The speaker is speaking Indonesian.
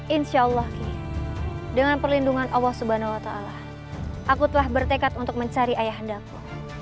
insya allah ki dengan perlindungan allah swt aku telah bertekad untuk mencari ayahandaku